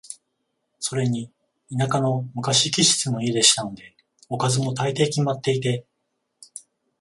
それに田舎の昔気質の家でしたので、おかずも、大抵決まっていて、